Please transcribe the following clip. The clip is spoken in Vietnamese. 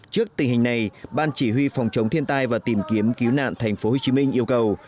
trước tình hình này ban chỉ huy phòng chống thiên tai và tìm kiếm cứu nạn thành phố hồ chí minh yêu cầu